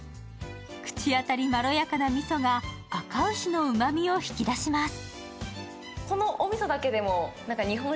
口当たりまろやかなみそがあか牛のうまみを引き出します。